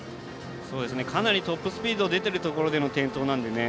かなりトップスピード出てるところでの転倒なので心配ですね。